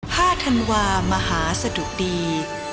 ห้าธันวามหาสดุตรี